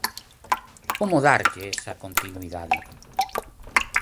Como darlle esa continuidade?